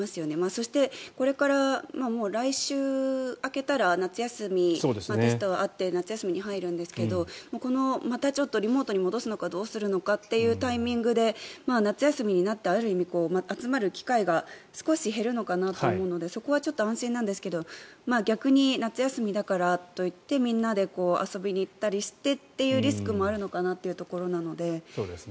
そしてこれから来週明けたら夏休みテストがあって夏休みに入るんですけどリモートに戻すのかどうかなのかというタイミングで夏休みになってある意味、集まる機会が少し減るのかなと思うのでそこは安心なんですが逆に夏休みだからといってみんなで遊びに行ったりしてというリスクもあるのかなというところなので。